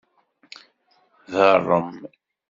Beṛṛem.